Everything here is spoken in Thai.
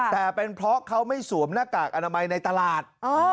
แต่เป็นเพราะเขาไม่สวมหน้ากากอนามัยในตลาด